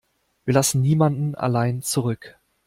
Wir lassen niemanden allein zurück.